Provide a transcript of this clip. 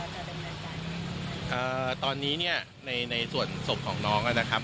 ทั้งครอบครัวเอ่อตอนนี้เนี้ยในในส่วนสมของน้องนะครับ